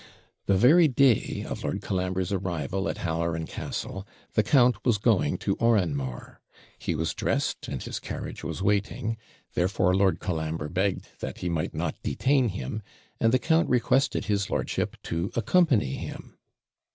The very day of Lord Colambre's arrival at Halloran Castle, the count was going to Oranmore; he was dressed, and his carriage was waiting; therefore Lord Colambre begged that he might not detain him, and the count requested his lordship to accompany him.